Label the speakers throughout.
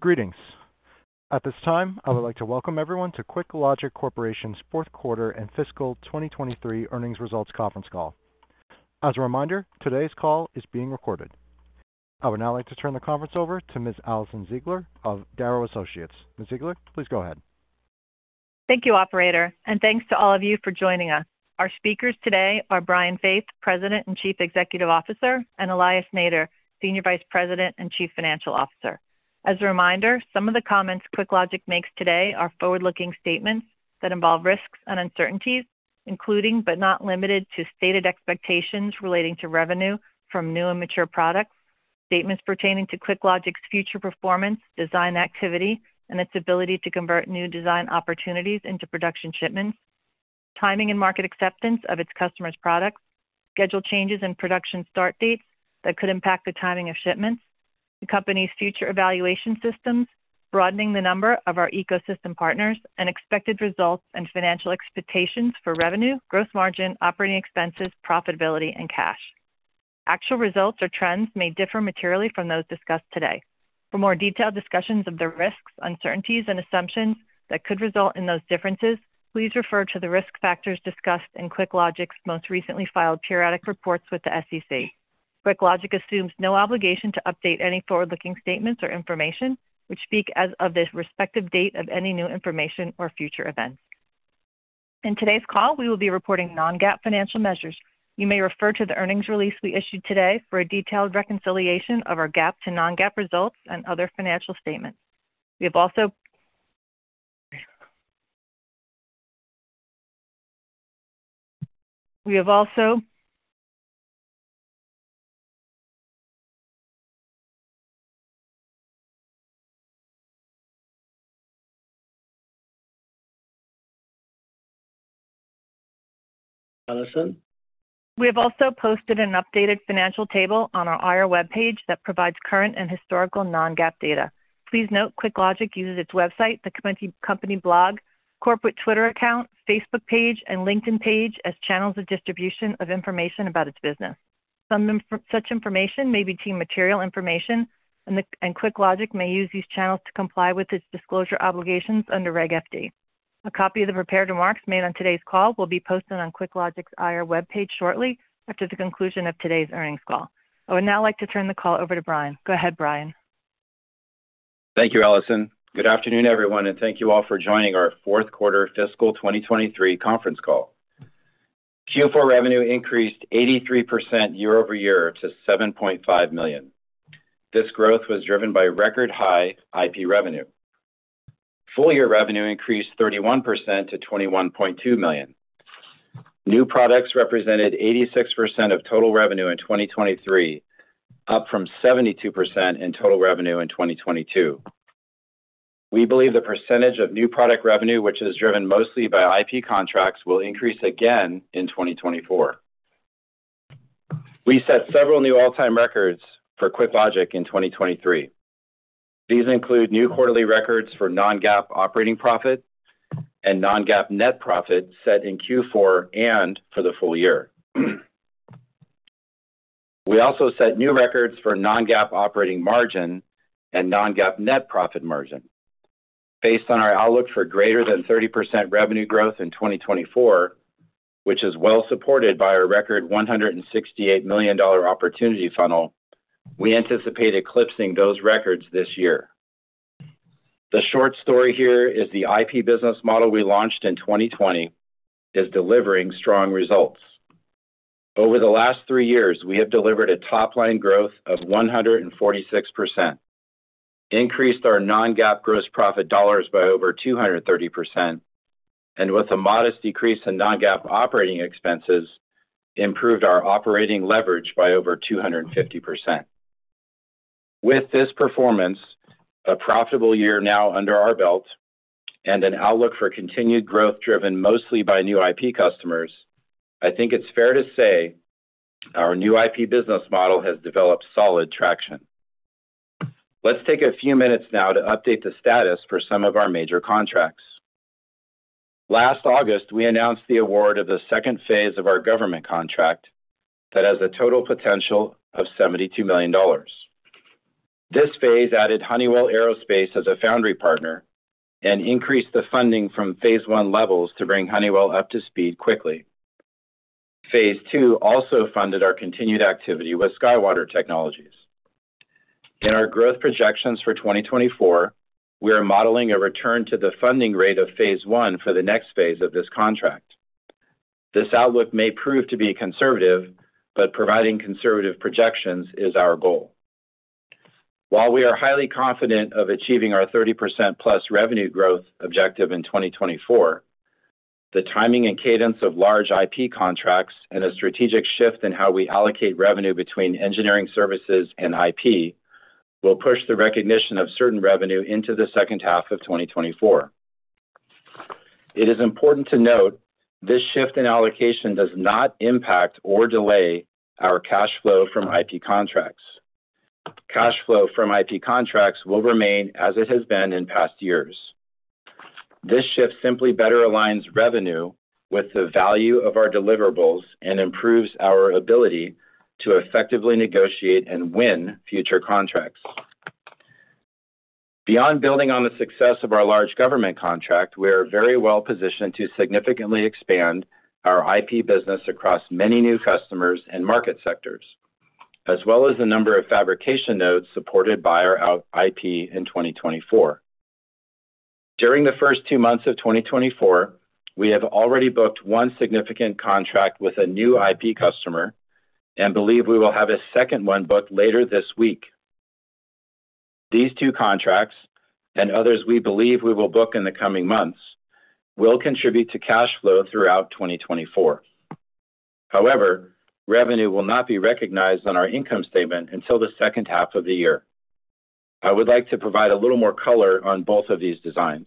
Speaker 1: Greetings. At this time, I would like to welcome everyone to QuickLogic Corporation's fourth quarter and fiscal 2023 earnings results conference call. As a reminder, today's call is being recorded. I would now like to turn the conference over to Ms. Alison Ziegler of Darrow Associates. Ms. Ziegler, please go ahead.
Speaker 2: Thank you, operator, and thanks to all of you for joining us. Our speakers today are Brian Faith, President and Chief Executive Officer, and Elias Nader, Senior Vice President and Chief Financial Officer. As a reminder, some of the comments QuickLogic makes today are forward-looking statements that involve risks and uncertainties, including but not limited to stated expectations relating to revenue from new and mature products, statements pertaining to QuickLogic's future performance, design activity, and its ability to convert new design opportunities into production shipments, timing and market acceptance of its customers' products, schedule changes in production start dates that could impact the timing of shipments, the company's future evaluation systems broadening the number of our ecosystem partners, and expected results and financial expectations for revenue, gross margin, operating expenses, profitability, and cash. Actual results or trends may differ materially from those discussed today. For more detailed discussions of the risks, uncertainties, and assumptions that could result in those differences, please refer to the risk factors discussed in QuickLogic's most recently filed periodic reports with the SEC. QuickLogic assumes no obligation to update any forward-looking statements or information which speak of the respective date of any new information or future events. In today's call, we will be reporting non-GAAP financial measures. You may refer to the earnings release we issued today for a detailed reconciliation of our GAAP to non-GAAP results and other financial statements. We have also. Alison? We have also posted an updated financial table on our IR web page that provides current and historical non-GAAP data. Please note QuickLogic uses its website, the company blog, corporate Twitter account, Facebook page, and LinkedIn page as channels of distribution of information about its business. Such information may be deemed material information, and QuickLogic may use these channels to comply with its disclosure obligations under Reg FD. A copy of the prepared remarks made on today's call will be posted on QuickLogic's IR web page shortly after the conclusion of today's earnings call. I would now like to turn the call over to Brian. Go ahead, Brian.
Speaker 3: Thank you, Alison. Good afternoon, everyone, and thank you all for joining our fourth quarter fiscal 2023 conference call. Q4 revenue increased 83% year-over-year to $7.5 million. This growth was driven by record high IP revenue. Full year revenue increased 31% to $21.2 million. New products represented 86% of total revenue in 2023, up from 72% in total revenue in 2022. We believe the percentage of new product revenue, which is driven mostly by IP contracts, will increase again in 2024. We set several new all-time records for QuickLogic in 2023. These include new quarterly records for non-GAAP operating profit and non-GAAP net profit set in Q4 and for the full year. We also set new records for non-GAAP operating margin and non-GAAP net profit margin. Based on our outlook for greater than 30% revenue growth in 2024, which is well supported by our record $168 million opportunity funnel, we anticipate eclipsing those records this year. The short story here is the IP business model we launched in 2020 is delivering strong results. Over the last three years, we have delivered a top-line growth of 146%, increased our non-GAAP gross profit dollars by over 230%, and with a modest decrease in non-GAAP operating expenses, improved our operating leverage by over 250%. With this performance, a profitable year now under our belt, and an outlook for continued growth driven mostly by new IP customers, I think it's fair to say our new IP business model has developed solid traction. Let's take a few minutes now to update the status for some of our major contracts. Last August, we announced the award of the second phase of our government contract that has a total potential of $72 million. This phase added Honeywell Aerospace as a foundry partner and increased the funding from phase one levels to bring Honeywell up to speed quickly. Phase two also funded our continued activity with SkyWater Technology. In our growth projections for 2024, we are modeling a return to the funding rate of phase one for the next phase of this contract. This outlook may prove to be conservative, but providing conservative projections is our goal. While we are highly confident of achieving our 30%+ revenue growth objective in 2024, the timing and cadence of large IP contracts and a strategic shift in how we allocate revenue between engineering services and IP will push the recognition of certain revenue into the second half of 2024. It is important to note this shift in allocation does not impact or delay our cash flow from IP contracts. Cash flow from IP contracts will remain as it has been in past years. This shift simply better aligns revenue with the value of our deliverables and improves our ability to effectively negotiate and win future contracts. Beyond building on the success of our large government contract, we are very well positioned to significantly expand our IP business across many new customers and market sectors, as well as the number of fabrication nodes supported by our IP in 2024. During the first two months of 2024, we have already booked one significant contract with a new IP customer and believe we will have a second one booked later this week. These two contracts and others we believe we will book in the coming months will contribute to cash flow throughout 2024. However, revenue will not be recognized on our income statement until the second half of the year. I would like to provide a little more color on both of these designs.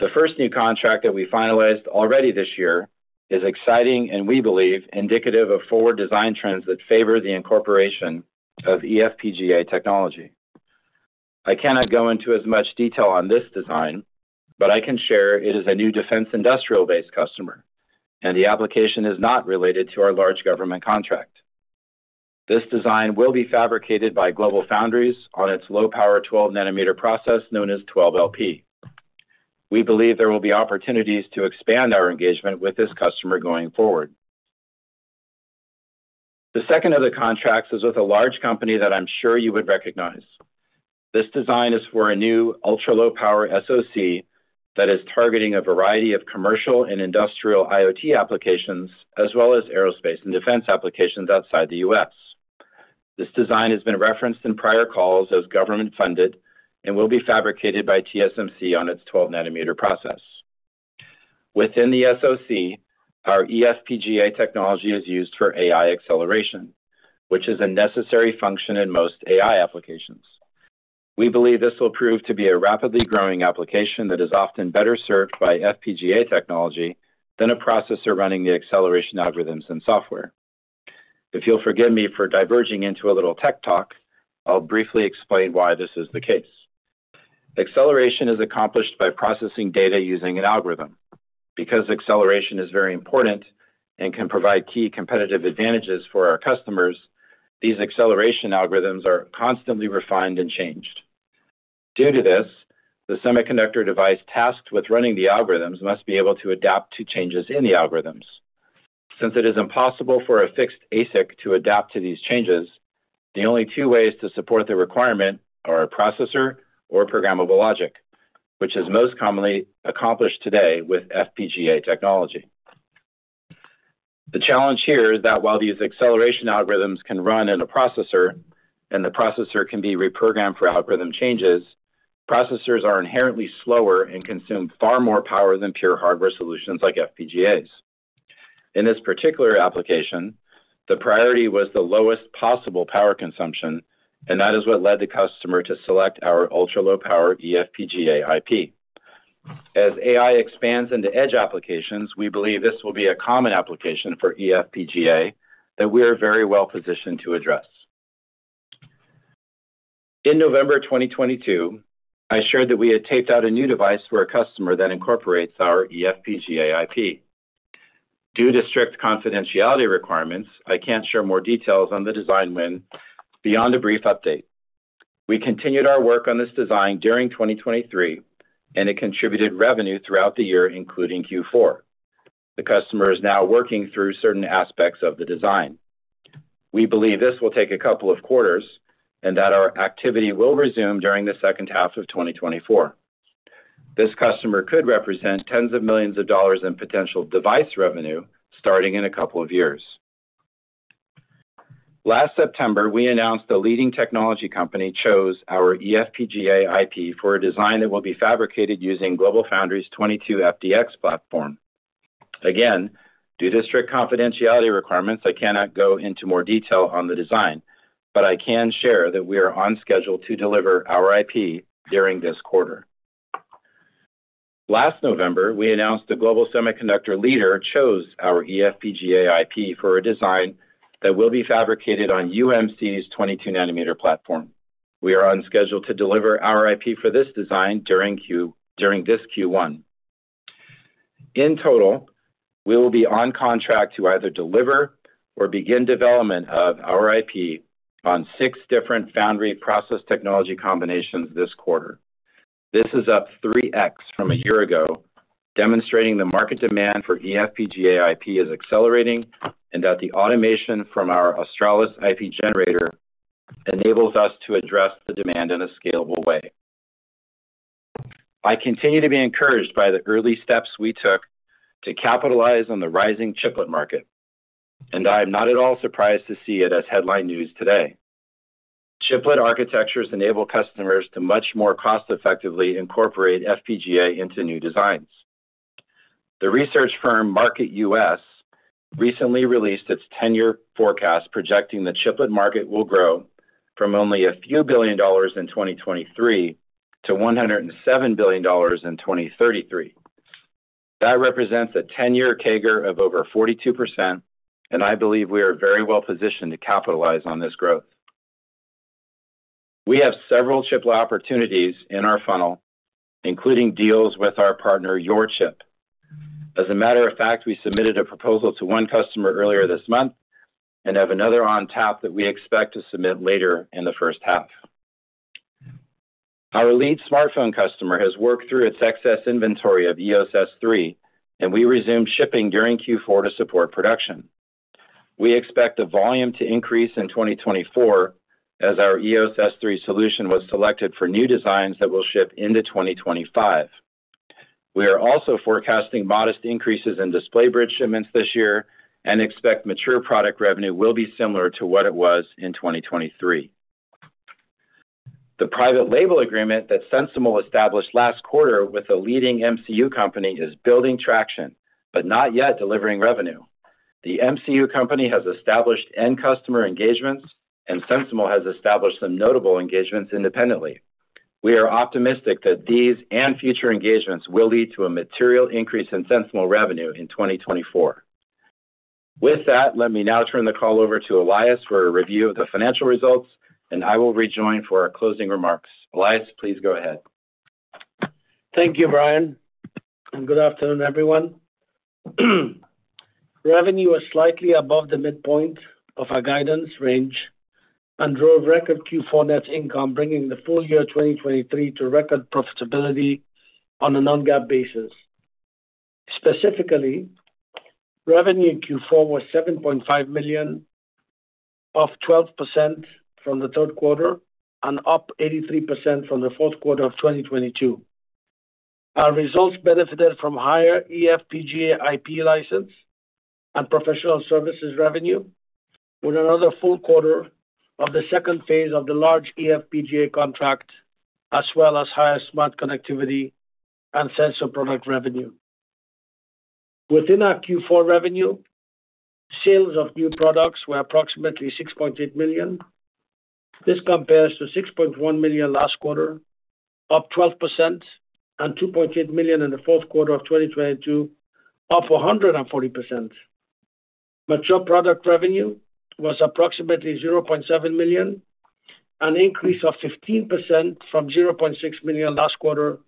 Speaker 3: The first new contract that we finalized already this year is exciting and, we believe, indicative of forward design trends that favor the incorporation of eFPGA technology. I cannot go into as much detail on this design, but I can share it is a new defense industrial-based customer, and the application is not related to our large government contract. This design will be fabricated by GlobalFoundries on its low-power 12-nanometer process known as 12LP. We believe there will be opportunities to expand our engagement with this customer going forward. The second of the contracts is with a large company that I'm sure you would recognize. This design is for a new ultra-low-power SoC that is targeting a variety of commercial and industrial IoT applications as well as aerospace and defense applications outside the U.S. This design has been referenced in prior calls as government-funded and will be fabricated by TSMC on its 12-nanometer process. Within the SoC, our eFPGA technology is used for AI acceleration, which is a necessary function in most AI applications. We believe this will prove to be a rapidly growing application that is often better served by FPGA technology than a processor running the acceleration algorithms and software. If you'll forgive me for diverging into a little tech talk, I'll briefly explain why this is the case. Acceleration is accomplished by processing data using an algorithm. Because acceleration is very important and can provide key competitive advantages for our customers, these acceleration algorithms are constantly refined and changed. Due to this, the semiconductor device tasked with running the algorithms must be able to adapt to changes in the algorithms. Since it is impossible for a fixed ASIC to adapt to these changes, the only two ways to support the requirement are a processor or programmable logic, which is most commonly accomplished today with FPGA technology. The challenge here is that while these acceleration algorithms can run in a processor and the processor can be reprogrammed for algorithm changes, processors are inherently slower and consume far more power than pure hardware solutions like FPGAs. In this particular application, the priority was the lowest possible power consumption, and that is what led the customer to select our ultra-low-power eFPGA IP. As AI expands into edge applications, we believe this will be a common application for eFPGA that we are very well positioned to address. In November 2022, I shared that we had taped out a new device for a customer that incorporates our eFPGA IP. Due to strict confidentiality requirements, I can't share more details on the design win beyond a brief update. We continued our work on this design during 2023, and it contributed revenue throughout the year, including Q4. The customer is now working through certain aspects of the design. We believe this will take a couple of quarters and that our activity will resume during the second half of 2024. This customer could represent $tens of millions in potential device revenue starting in a couple of years. Last September, we announced the leading technology company chose our eFPGA IP for a design that will be fabricated using GlobalFoundries' 22FDX platform. Again, due to strict confidentiality requirements, I cannot go into more detail on the design, but I can share that we are on schedule to deliver our IP during this quarter. Last November, we announced the global semiconductor leader chose our eFPGA IP for a design that will be fabricated on UMC's 22-nanometer platform. We are on schedule to deliver our IP for this design during this Q1. In total, we will be on contract to either deliver or begin development of our IP on six different foundry process technology combinations this quarter. This is up 3x from a year ago, demonstrating the market demand for eFPGA IP is accelerating and that the automation from our Australis IP generator enables us to address the demand in a scalable way. I continue to be encouraged by the early steps we took to capitalize on the rising chiplet market, and I am not at all surprised to see it as headline news today. Chiplet architectures enable customers to much more cost-effectively incorporate FPGA into new designs. The research firm Market.us recently released its ten-year forecast projecting the chiplet market will grow from only $a few billion in 2023 to $107 billion in 2033. That represents a ten-year CAGR of over 42%, and I believe we are very well positioned to capitalize on this growth. We have several chiplet opportunities in our funnel, including deals with our partner YorChip. As a matter of fact, we submitted a proposal to one customer earlier this month and have another on tap that we expect to submit later in the first half. Our lead smartphone customer has worked through its excess inventory of EOS S3, and we resume shipping during Q4 to support production. We expect the volume to increase in 2024 as our EOS S3 solution was selected for new designs that will ship into 2025. We are also forecasting modest increases in display bridge shipments this year and expect mature product revenue will be similar to what it was in 2023. The private label agreement that SensiML established last quarter with a leading MCU company is building traction but not yet delivering revenue. The MCU company has established end customer engagements, and SensiML has established some notable engagements independently. We are optimistic that these and future engagements will lead to a material increase in SensiML revenue in 2024. With that, let me now turn the call over to Elias for a review of the financial results, and I will rejoin for our closing remarks. Elias, please go ahead.
Speaker 4: Thank you, Brian, and good afternoon, everyone. Revenue was slightly above the midpoint of our guidance range and drove record Q4 net income, bringing the full year 2023 to record profitability on a non-GAAP basis. Specifically, revenue in Q4 was $7.5 million of 12% from the third quarter and up 83% from the fourth quarter of 2022. Our results benefited from higher eFPGA IP license and professional services revenue with another full quarter of the second phase of the large eFPGA contract, as well as higher smart connectivity and sensor product revenue. Within our Q4 revenue, sales of new products were approximately $6.8 million. This compares to $6.1 million last quarter, up 12%, and $2.8 million in the fourth quarter of 2022, up 140%. Mature product revenue was approximately $0.7 million, an increase of 15% from $0.6 million last quarter,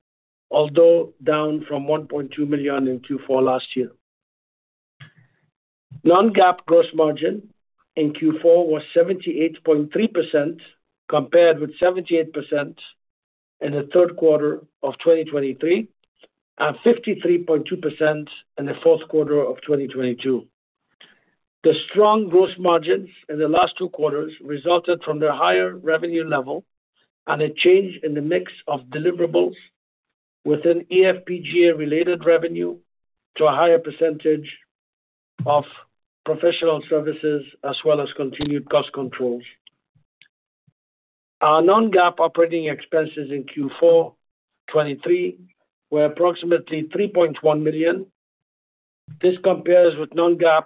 Speaker 4: although down from $1.2 million in Q4 last year. Non-GAAP gross margin in Q4 was 78.3% compared with 78% in the third quarter of 2023 and 53.2% in the fourth quarter of 2022. The strong gross margins in the last two quarters resulted from their higher revenue level and a change in the mix of deliverables within eFPGA-related revenue to a higher percentage of professional services as well as continued cost controls. Our non-GAAP operating expenses in Q4 2023 were approximately $3.1 million. This compares with non-GAAP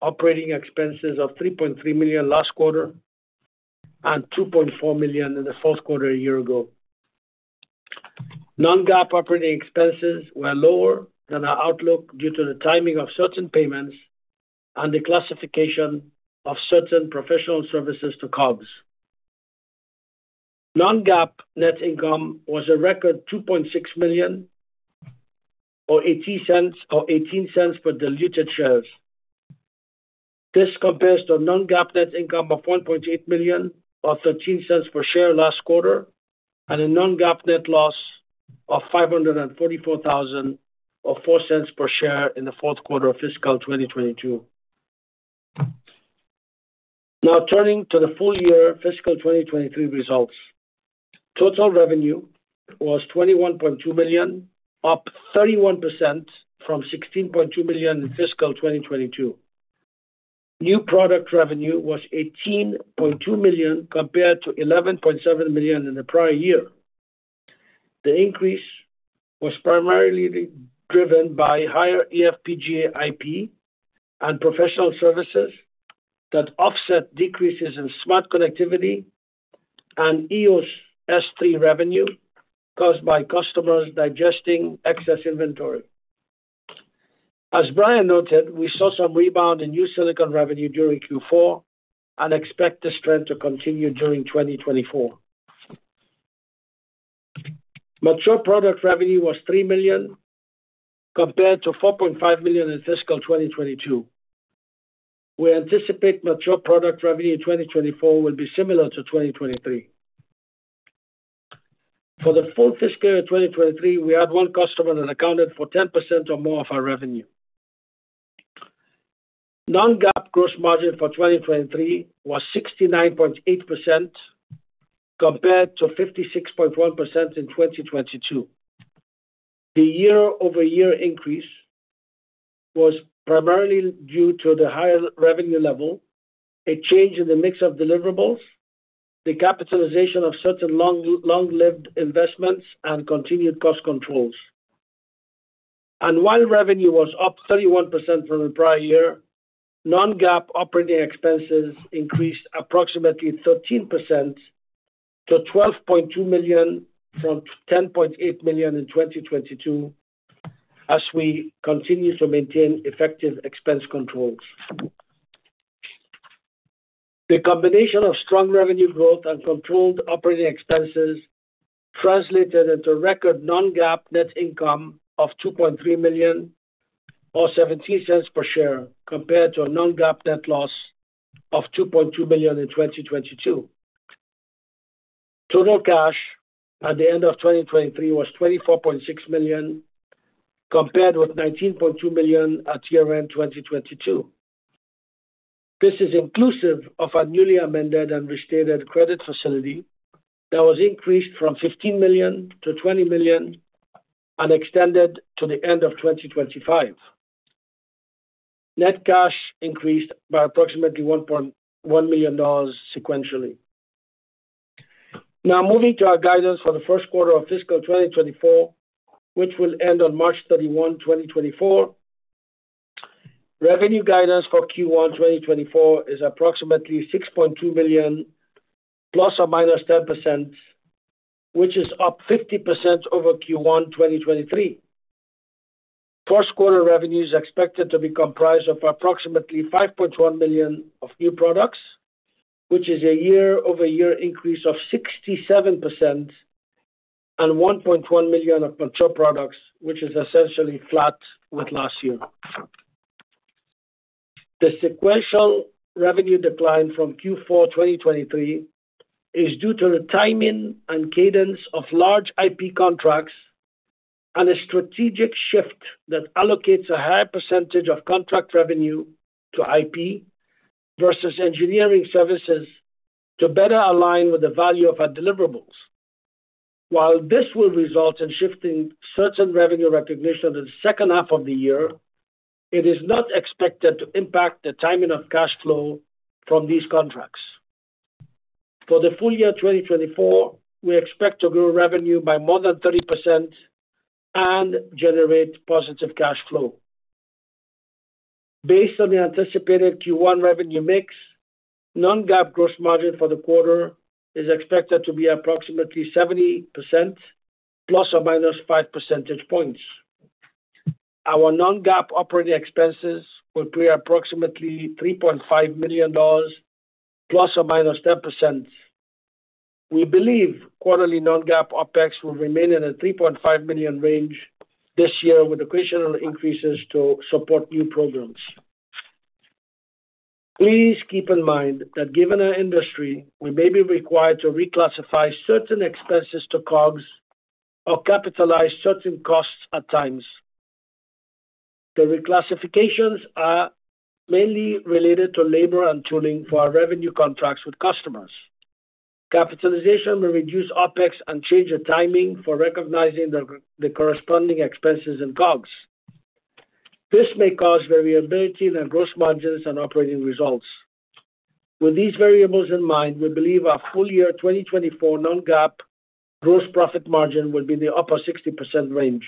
Speaker 4: operating expenses of $3.3 million last quarter and $2.4 million in the fourth quarter a year ago. Non-GAAP operating expenses were lower than our outlook due to the timing of certain payments and the classification of certain professional services to COGS. Non-GAAP net income was a record $2.6 million or $0.18 for diluted shares. This compares to a non-GAAP net income of $1.8 million or $0.13 per share last quarter and a non-GAAP net loss of $5,440.04 per share in the fourth quarter of fiscal 2022. Now, turning to the full year fiscal 2023 results. Total revenue was $21.2 million, up 31% from $16.2 million in fiscal 2022. New product revenue was $18.2 million compared to $11.7 million in the prior year. The increase was primarily driven by higher eFPGA IP and professional services that offset decreases in smart connectivity and EOS S3 revenue caused by customers digesting excess inventory. As Brian noted, we saw some rebound in new silicon revenue during Q4 and expect this trend to continue during 2024. Mature product revenue was $3 million compared to $4.5 million in fiscal 2022. We anticipate mature product revenue in 2024 will be similar to 2023. For the full fiscal year 2023, we had one customer that accounted for 10% or more of our revenue. Non-GAAP gross margin for 2023 was 69.8% compared to 56.1% in 2022. The year-over-year increase was primarily due to the higher revenue level, a change in the mix of deliverables, the capitalization of certain long-lived investments, and continued cost controls. And while revenue was up 31% from the prior year, non-GAAP operating expenses increased approximately 13% to $12.2 million from $10.8 million in 2022 as we continue to maintain effective expense controls. The combination of strong revenue growth and controlled operating expenses translated into record non-GAAP net income of $2.3 million or $0.17 per share compared to a non-GAAP net loss of $2.2 million in 2022. Total cash at the end of 2023 was $24.6 million compared with $19.2 million at year-end 2022. This is inclusive of our newly amended and restated credit facility that was increased from $15 million to $20 million and extended to the end of 2025. Net cash increased by approximately $1.1 million. Sequentially. Now, moving to our guidance for the first quarter of fiscal 2024, which will end on March 31, 2024, revenue guidance for Q1 2024 is approximately $6.2 million ±10%, which is up 50% over Q1 2023. First quarter revenue is expected to be comprised of approximately $5.1 million of new products, which is a year-over-year increase of 67% and $1.1 million of mature products, which is essentially flat with last year. The sequential revenue decline from Q4 2023 is due to the timing and cadence of large IP contracts and a strategic shift that allocates a higher percentage of contract revenue to IP versus engineering services to better align with the value of our deliverables. While this will result in shifting certain revenue recognition in the second half of the year, it is not expected to impact the timing of cash flow from these contracts. For the full year 2024, we expect to grow revenue by more than 30% and generate positive cash flow. Based on the anticipated Q1 revenue mix, non-GAAP gross margin for the quarter is expected to be approximately 70% ±5 percentage points. Our non-GAAP operating expenses will be approximately $3.5 million ±10%. We believe quarterly non-GAAP OPEX will remain in the $3.5 million range this year with sequential increases to support new programs. Please keep in mind that given our industry, we may be required to reclassify certain expenses to COGS or capitalize certain costs at times. The reclassifications are mainly related to labor and tooling for our revenue contracts with customers. Capitalization will reduce OPEX and change the timing for recognizing the corresponding expenses in COGS. This may cause variability in our gross margins and operating results. With these variables in mind, we believe our full year 2024 non-GAAP gross profit margin will be in the upper 60% range.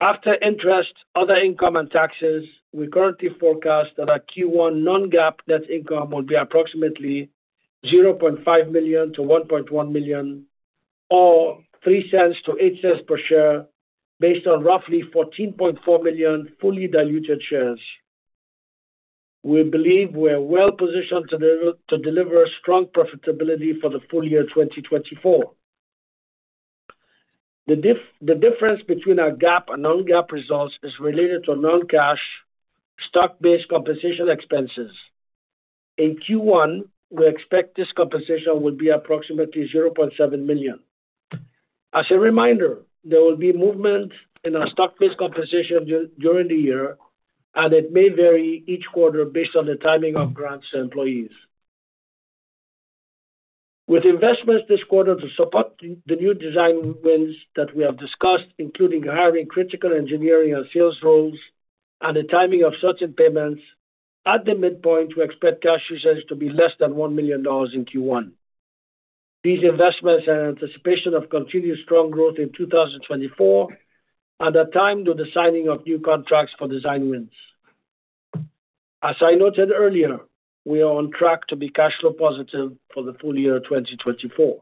Speaker 4: After interest, other income, and taxes, we currently forecast that our Q1 non-GAAP net income will be approximately $0.5 million-$1.1 million or $0.03-$0.08 per share based on roughly 14.4 million fully diluted shares. We believe we are well positioned to deliver strong profitability for the full year 2024. The difference between our GAAP and non-GAAP results is related to non-cash stock-based compensation expenses. In Q1, we expect this compensation will be approximately $0.7 million. As a reminder, there will be movement in our stock-based compensation during the year, and it may vary each quarter based on the timing of grants to employees.
Speaker 2: With investments this quarter to support the new design wins that we have discussed, including hiring critical engineering and sales roles and the timing of certain payments, at the midpoint, we expect cash usage to be less than $1 million in Q1. These investments are in anticipation of continued strong growth in 2024 and are timed with the signing of new contracts for design wins. As I noted earlier, we are on track to be cash flow positive for the full year 2024.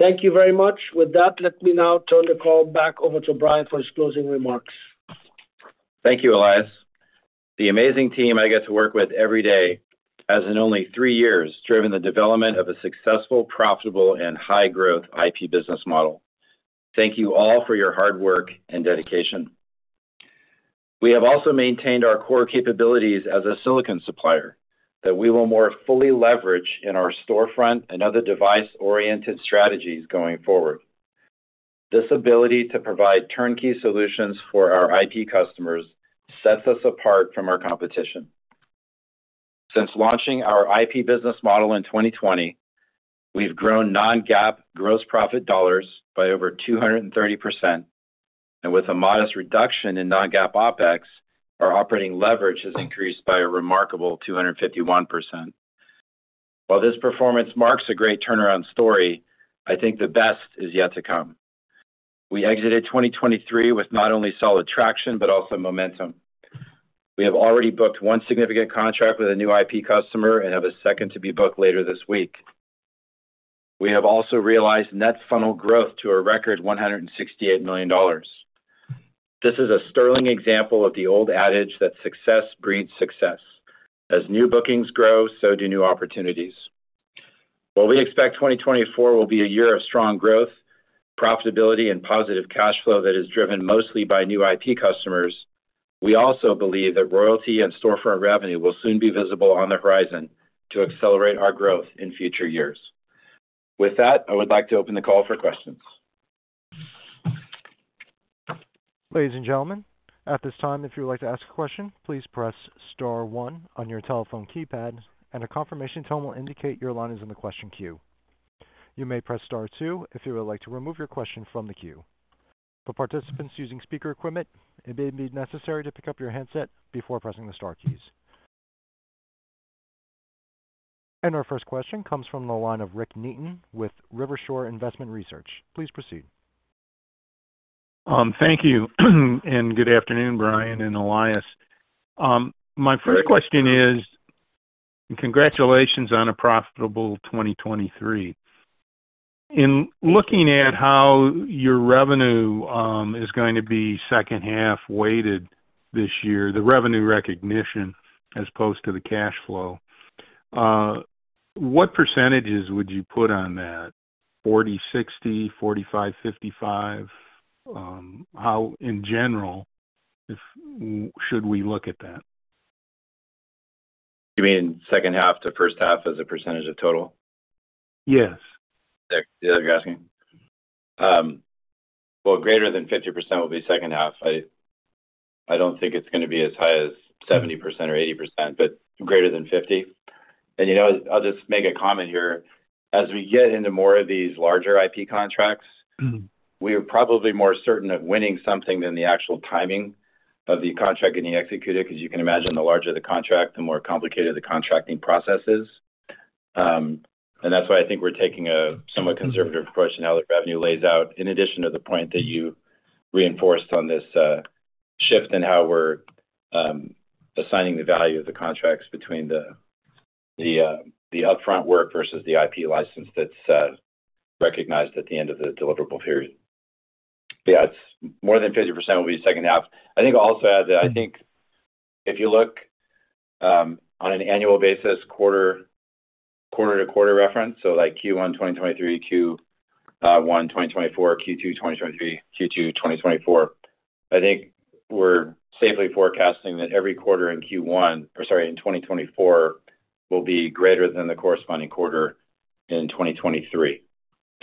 Speaker 2: Thank you very much. With that, let me now turn the call back over to Brian for his closing remarks.
Speaker 3: Thank you, Elias. The amazing team I get to work with every day has, in only three years, driven the development of a successful, profitable, and high-growth IP business model. Thank you all for your hard work and dedication. We have also maintained our core capabilities as a silicon supplier that we will more fully leverage in our storefront and other device-oriented strategies going forward. This ability to provide turnkey solutions for our IP customers sets us apart from our competition. Since launching our IP business model in 2020, we've grown non-GAAP gross profit dollars by over 230%, and with a modest reduction in non-GAAP OPEX, our operating leverage has increased by a remarkable 251%. While this performance marks a great turnaround story, I think the best is yet to come. We exited 2023 with not only solid traction but also momentum. We have already booked one significant contract with a new IP customer and have a second to be booked later this week. We have also realized net funnel growth to a record $168 million. This is a sterling example of the old adage that success breeds success. As new bookings grow, so do new opportunities. While we expect 2024 will be a year of strong growth, profitability, and positive cash flow that is driven mostly by new IP customers, we also believe that royalty and storefront revenue will soon be visible on the horizon to accelerate our growth in future years. With that, I would like to open the call for questions.
Speaker 1: Ladies and gentlemen, at this time, if you would like to ask a question, please press * one on your telephone keypad, and a confirmation tone will indicate your line is in the question queue. You may press * two if you would like to remove your question from the queue. For participants using speaker equipment, it may be necessary to pick up your handset before pressing the * keys. Our first question comes from the line of Rick Neaton with Rivershore Investment Research.
Speaker 5: Please proceed. Thank you, and good afternoon, Brian and Elias. My first question is, congratulations on a profitable 2023. In looking at how your revenue is going to be second-half weighted this year, the revenue recognition as opposed to the cash flow, what percentages would you put on that? 40/60, 45/55? In general, should we look at that?
Speaker 3: You mean second-half to first-half as a percentage of total? Yes. Is that what you're asking? Well, greater than 50% will be second-half. I don't think it's going to be as high as 70% or 80%, but greater than 50%. And I'll just make a comment here. As we get into more of these larger IP contracts, we are probably more certain of winning something than the actual timing of the contract getting executed because you can imagine the larger the contract, the more complicated the contracting process is. That's why I think we're taking a somewhat conservative approach in how the revenue lays out, in addition to the point that you reinforced on this shift in how we're assigning the value of the contracts between the upfront work versus the IP license that's recognized at the end of the deliverable period. Yeah, more than 50% will be second half. I think I'll also add that I think if you look on an annual basis, quarter-to-quarter reference, so Q1 2023, Q1 2024, Q2 2023, Q2 2024, I think we're safely forecasting that every quarter in 2024 will be greater than the corresponding quarter in 2023.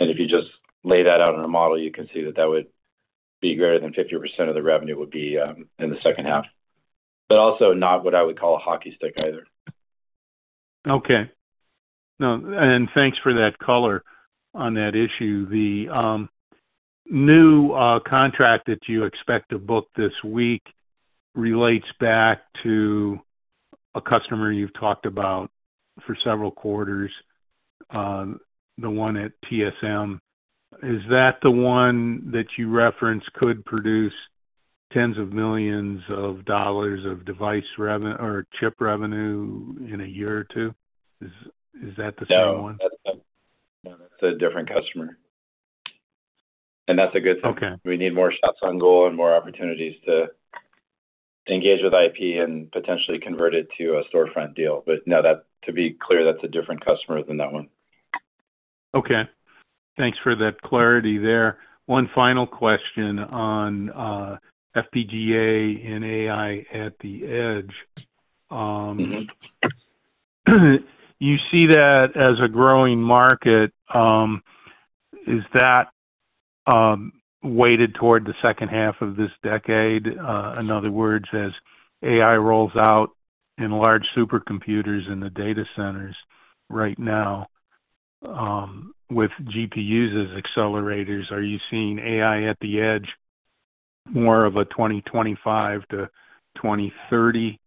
Speaker 3: If you just lay that out in a model, you can see that that would be greater than 50% of the revenue would be in the second half, but also not what I would call a hockey stick either.
Speaker 5: Okay. Thanks for that color on that issue. The new contract that you expect to book this week relates back to a customer you've talked about for several quarters, the one at TSMC. Is that the one that you referenced could produce $10s of millions of device or chip revenue in a year or two?
Speaker 3: Is that the same one? No. No. That's a different customer. That's a good thing. We need more shots on goal and more opportunities to engage with IP and potentially convert it to a storefront deal. No, to be clear, that's a different customer than that one.
Speaker 5: Okay. Thanks for that clarity there. One final question on FPGA and AI at the edge. You see that as a growing market. Is that weighted toward the second half of this decade? In other words, as AI rolls out in large supercomputers in the data centers right now with GPUs as accelerators, are you seeing AI at the edge more of a 2025 to 2030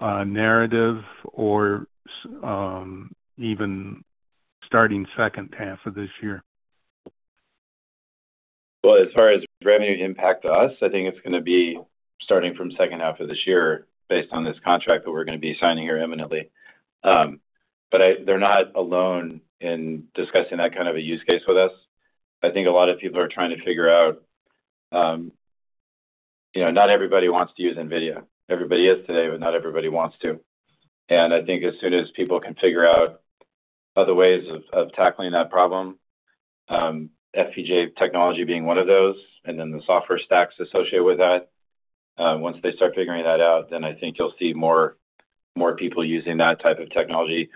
Speaker 5: narrative or even starting second half of this year?
Speaker 3: Well, as far as revenue impact to us, I think it's going to be starting from second half of this year based on this contract that we're going to be signing here imminently. But they're not alone in discussing that kind of a use case with us. I think a lot of people are trying to figure out not everybody wants to use NVIDIA. Everybody is today, but not everybody wants to. I think as soon as people can figure out other ways of tackling that problem, FPGA technology being one of those, and then the software stacks associated with that, once they start figuring that out, then I think you'll see more people using that type of technology.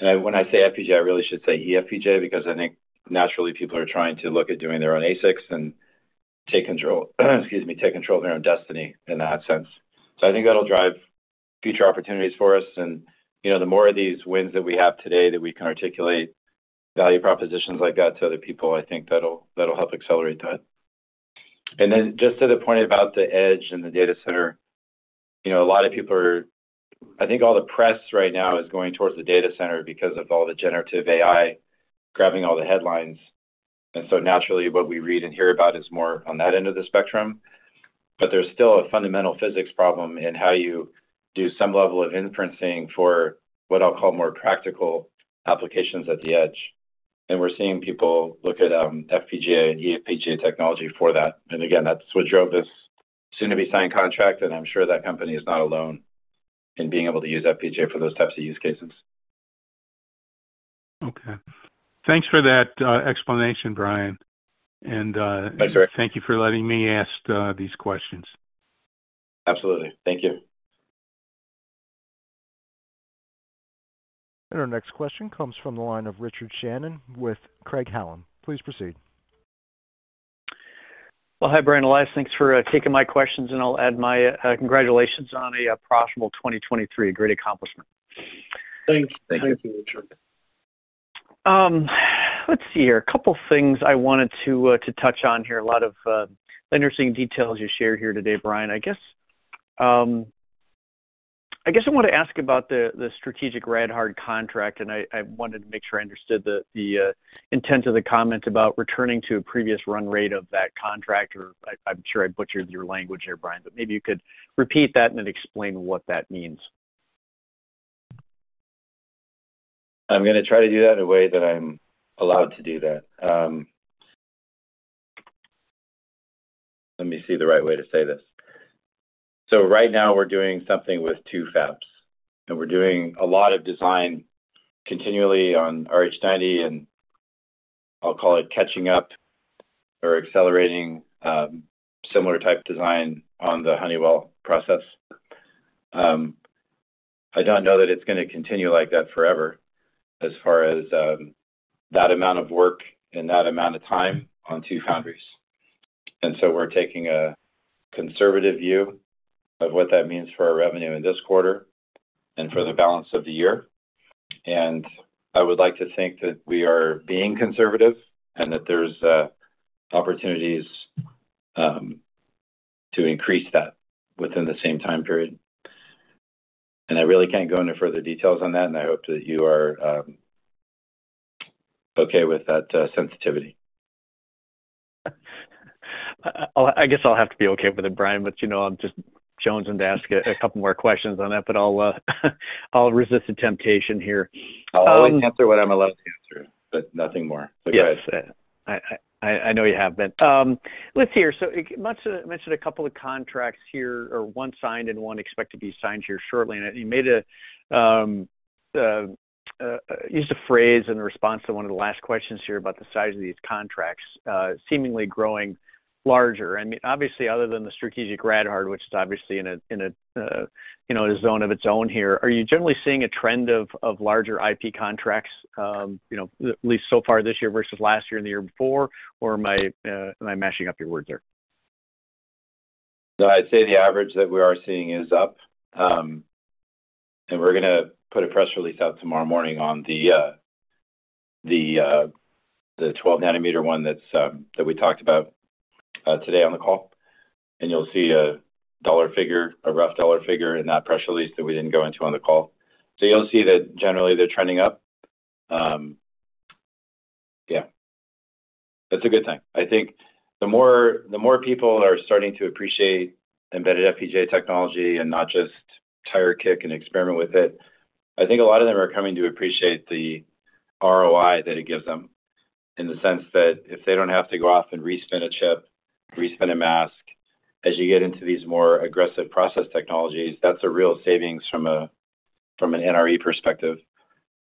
Speaker 3: When I say FPGA, I really should say eFPGA because I think naturally, people are trying to look at doing their own ASICs and take control excuse me, take control of their own destiny in that sense. I think that'll drive future opportunities for us. The more of these wins that we have today that we can articulate value propositions like that to other people, I think that'll help accelerate that. And then just to the point about the edge and the data center, a lot of people are, I think, all the press right now is going towards the data center because of all the generative AI grabbing all the headlines. And so naturally, what we read and hear about is more on that end of the spectrum. But there's still a fundamental physics problem in how you do some level of inferencing for what I'll call more practical applications at the edge. And we're seeing people look at FPGA and eFPGA technology for that. And again, that's what drove this soon-to-be-signed contract. And I'm sure that company is not alone in being able to use FPGA for those types of use cases.
Speaker 5: Okay. Thanks for that explanation, Brian. And thank you for letting me ask these questions.
Speaker 3: Absolutely. Thank you.
Speaker 1: Our next question comes from the line of Richard Shannon with Craig Hallum. Please proceed.
Speaker 6: Well, hi, Brian Elias. Thanks for taking my questions, and I'll add my congratulations on a profitable 2023. Great accomplishment. Thank you. Thank you, Richard. Let's see here. A couple of things I wanted to touch on here. A lot of interesting details you shared here today, Brian. I guess I want to ask about the strategic Rad-Hard contract, and I wanted to make sure I understood the intent of the comment about returning to a previous run rate of that contract. Or I'm sure I butchered your language there, Brian, but maybe you could repeat that and explain what that means. I'm going to try to do that in a way that I'm allowed to do that. Let me see the right way to say this. So right now, we're doing something with two fabs, and we're doing a lot of design continually on RH90, and I'll call it catching up or accelerating similar-type design on the Honeywell process. I don't know that it's going to continue like that forever as far as that amount of work and that amount of time on two foundries. And so we're taking a conservative view of what that means for our revenue in this quarter and for the balance of the year. And I would like to think that we are being conservative and that there's opportunities to increase that within the same time period. And I really can't go into further details on that, and I hope that you are okay with that sensitivity. I guess I'll have to be okay with it, Brian, but I'm just chosen to ask a couple more questions on that, but I'll resist the temptation here. I'll always answer what I'm allowed to answer, but nothing more. So go ahead. Yes. I know you have, haven't. Let's see here. So you mentioned a couple of contracts here or one signed and one expected to be signed here shortly. And you used a phrase in response to one of the last questions here about the size of these contracts seemingly growing larger. I mean, obviously, other than the strategic rad-hard, which is obviously in a zone of its own here, are you generally seeing a trend of larger IP contracts, at least so far this year versus last year and the year before? Or am I mashing up your words there?
Speaker 3: No, I'd say the average that we are seeing is up. We're going to put a press release out tomorrow morning on the 12-nanometer one that we talked about today on the call. And you'll see a dollar figure, a rough dollar figure in that press release that we didn't go into on the call. So you'll see that generally, they're trending up. Yeah. That's a good thing. I think the more people are starting to appreciate embedded FPGA technology and not just tire kick and experiment with it, I think a lot of them are coming to appreciate the ROI that it gives them in the sense that if they don't have to go off and re-spin a chip, re-spin a mask, as you get into these more aggressive process technologies, that's a real savings from an NRE perspective.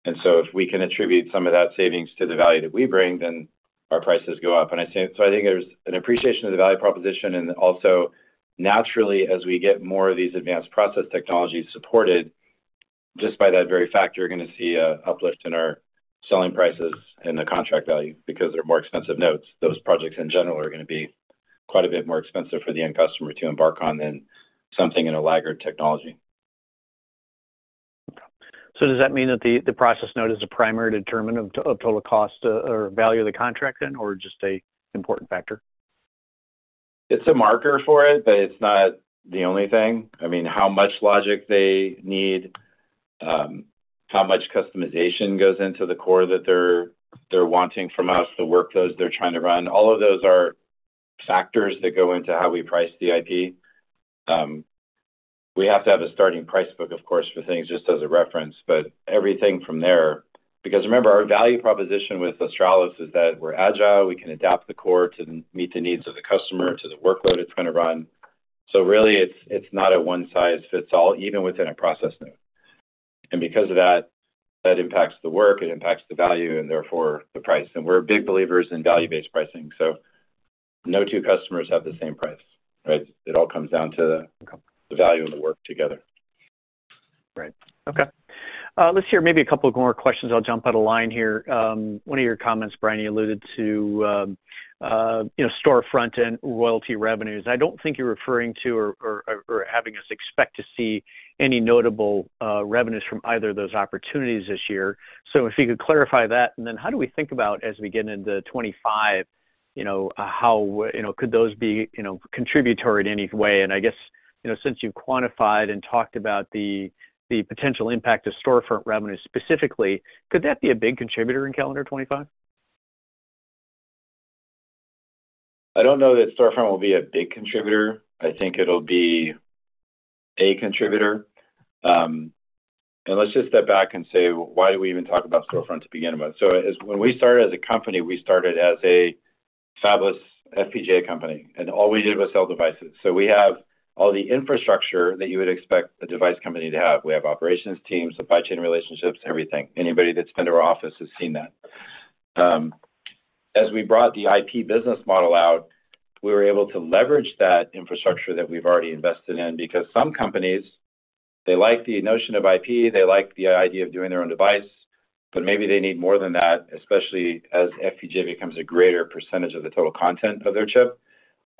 Speaker 3: And so if we can attribute some of that savings to the value that we bring, then our prices go up. And so I think there's an appreciation of the value proposition. And also, naturally, as we get more of these advanced process technologies supported, just by that very fact, you're going to see an uplift in our selling prices and the contract value because they're more expensive nodes. Those projects, in general, are going to be quite a bit more expensive for the end customer to embark on than something in a laggard technology.
Speaker 6: Okay. So does that mean that the process node is a primary determinant of total cost or value of the contract then or just an important factor? It's a marker for it, but it's not the only thing.
Speaker 3: I mean, how much logic they need, how much customization goes into the core that they're wanting from us, the workflows they're trying to run, all of those are factors that go into how we price the IP. We have to have a starting price book, of course, for things just as a reference, but everything from there because remember, our value proposition with Australis is that we're agile. We can adapt the core to meet the needs of the customer, to the workload it's going to run. So really, it's not a one-size-fits-all, even within a process node. And because of that, that impacts the work. It impacts the value, and therefore, the price. And we're big believers in value-based pricing. So no two customers have the same price, right? It all comes down to the value and the work together. Right. Okay.
Speaker 6: Let's hear maybe a couple more questions. I'll jump out of line here. One of your comments, Brian, you alluded to storefront and royalty revenues. I don't think you're referring to or having us expect to see any notable revenues from either of those opportunities this year. So if you could clarify that. And then how do we think about, as we get into 2025, how could those be contributory in any way? And I guess since you've quantified and talked about the potential impact of storefront revenue specifically, could that be a big contributor in calendar 2025?
Speaker 3: I don't know that storefront will be a big contributor. I think it'll be a contributor. And let's just step back and say, why do we even talk about storefront to begin with? So when we started as a company, we started as a fabless FPGA company. All we did was sell devices. We have all the infrastructure that you would expect a device company to have. We have operations teams, supply chain relationships, everything. Anybody that's been to our office has seen that. As we brought the IP business model out, we were able to leverage that infrastructure that we've already invested in because some companies, they like the notion of IP. They like the idea of doing their own device. Maybe they need more than that, especially as FPGA becomes a greater percentage of the total content of their chip.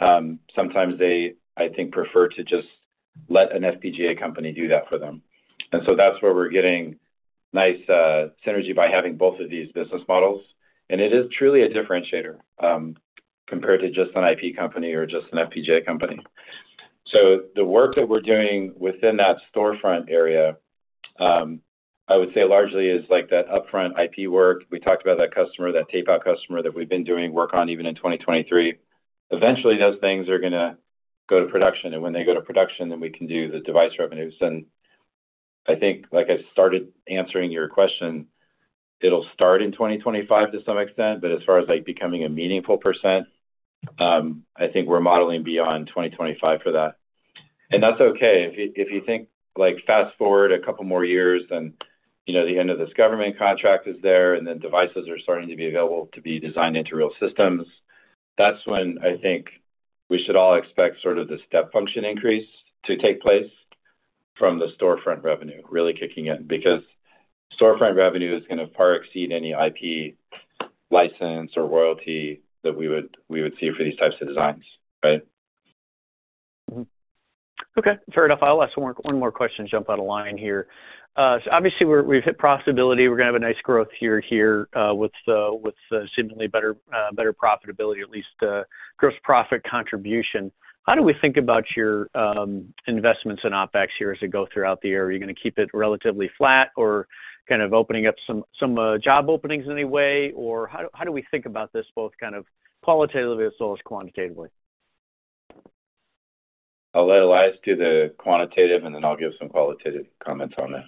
Speaker 3: Sometimes they, I think, prefer to just let an FPGA company do that for them. So that's where we're getting nice synergy by having both of these business models. It is truly a differentiator compared to just an IP company or just an FPGA company. So the work that we're doing within that storefront area, I would say largely, is that upfront IP work. We talked about that customer, that tape-out customer that we've been doing work on even in 2023. Eventually, those things are going to go to production. And when they go to production, then we can do the device revenues. And I think, like I started answering your question, it'll start in 2025 to some extent. But as far as becoming a meaningful %, I think we're modeling beyond 2025 for that. And that's okay. If you think fast forward a couple more years and the end of this government contract is there, and then devices are starting to be available to be designed into real systems, that's when I think we should all expect sort of the step function increase to take place from the storefront revenue, really kicking in because storefront revenue is going to far exceed any IP license or royalty that we would see for these types of designs, right?
Speaker 6: Okay. Fair enough. I'll ask one more question, jump out of line here. Obviously, we've hit profitability. We're going to have a nice growth year here with seemingly better profitability, at least gross profit contribution. How do we think about your investments in OpEx here as they go throughout the year? Are you going to keep it relatively flat or kind of opening up some job openings in any way? Or how do we think about this both kind of qualitatively as well as quantitatively?
Speaker 3: I'll let Elias do the quantitative, and then I'll give some qualitative comments on that.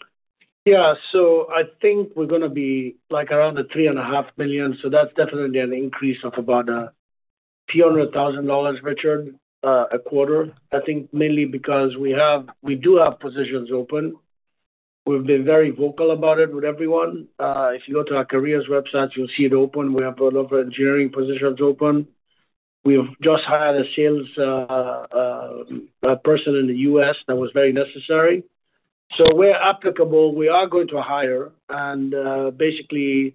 Speaker 4: Yeah. So I think we're going to be around the $3.5 million. So that's definitely an increase of about a few hundred thousand dollars a quarter, I think, mainly because we do have positions open. We've been very vocal about it with everyone. If you go to our careers websites, you'll see it open. We have a lot of engineering positions open. We've just hired a salesperson in the U.S. that was very necessary. So where applicable, we are going to hire and basically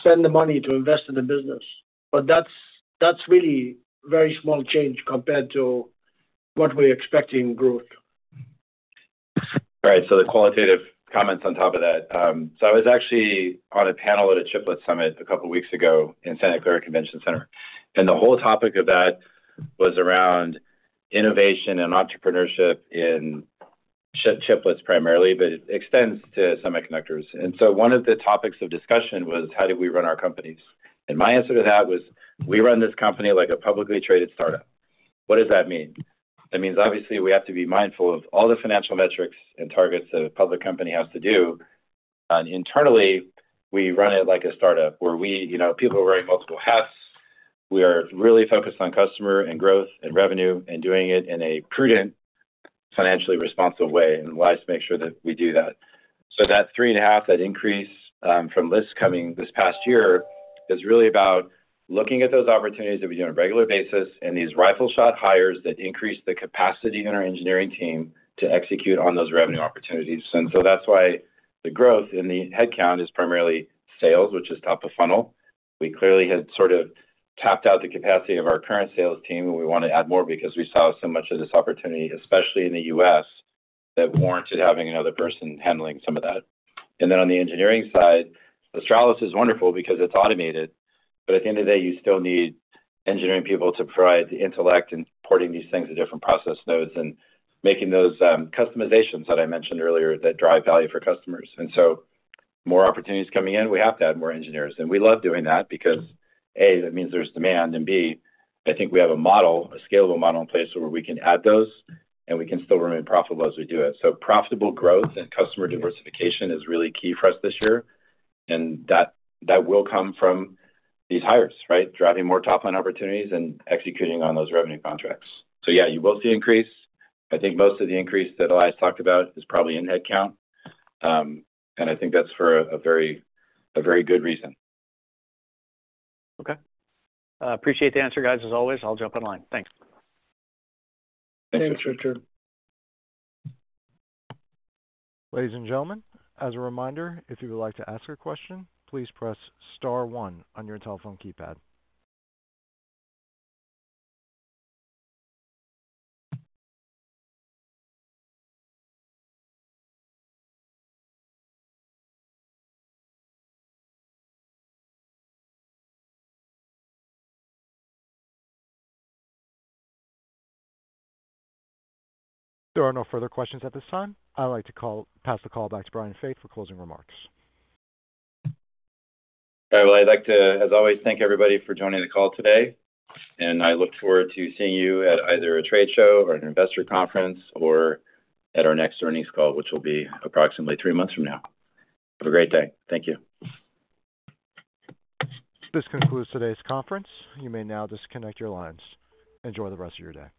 Speaker 4: spend the money to invest in the business. But that's really very small change compared to what we're expecting growth. All right. So the qualitative comments on top of that.
Speaker 3: So I was actually on a panel at a chiplet summit a couple of weeks ago in Santa Clara Convention Center. The whole topic of that was around innovation and entrepreneurship in chiplets primarily, but it extends to semiconductors. So one of the topics of discussion was, how do we run our companies? My answer to that was, we run this company like a publicly traded startup. What does that mean? That means, obviously, we have to be mindful of all the financial metrics and targets that a public company has to do. Internally, we run it like a startup where people are wearing multiple hats. We are really focused on customer and growth and revenue and doing it in a prudent, financially responsible way. Elias makes sure that we do that. So that 3.5, that increase from lists coming this past year is really about looking at those opportunities that we do on a regular basis and these rifle-shot hires that increase the capacity in our engineering team to execute on those revenue opportunities. And so that's why the growth in the headcount is primarily sales, which is top of funnel. We clearly had sort of tapped out the capacity of our current sales team, and we want to add more because we saw so much of this opportunity, especially in the U.S., that warranted having another person handling some of that. And then on the engineering side, Australis is wonderful because it's automated. But at the end of the day, you still need engineering people to provide the intellect and porting these things to different process nodes and making those customizations that I mentioned earlier that drive value for customers. And so more opportunities coming in, we have to add more engineers. And we love doing that because, A, that means there's demand. And B, I think we have a model, a scalable model in place where we can add those, and we can still remain profitable as we do it. So profitable growth and customer diversification is really key for us this year. And that will come from these hires, right, driving more top-line opportunities and executing on those revenue contracts. So yeah, you will see increase. I think most of the increase that Elias talked about is probably in headcount. And I think that's for a very good reason. Okay.
Speaker 6: Appreciate the answer, guys, as always. I'll jump out of line. Thanks.
Speaker 4: Thanks, Richard.
Speaker 1: Thanks, Richard. Ladies and gentlemen, as a reminder, if you would like to ask a question, please press * 1 on your telephone keypad. There are no further questions at this time. I'd like to pass the call back to Brian Faith for closing remarks.
Speaker 3: All right. Well, I'd like to, as always, thank everybody for joining the call today. I look forward to seeing you at either a trade show or an investor conference or at our next earnings call, which will be approximately three months from now. Have a great day. Thank you.
Speaker 1: This concludes today's conference. You may now disconnect your lines. Enjoy the rest of your day.